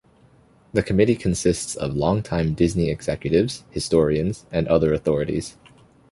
The committee consists of long-time Disney executives, historians, and other authorities.